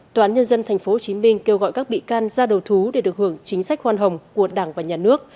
tòa án nhân dân tp hcm kêu gọi các bị can ra đầu thú để được hưởng chính sách khoan hồng của đảng và nhà nước